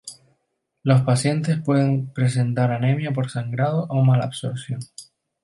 Los pacientes pueden presentar anemia por sangrado o malabsorción.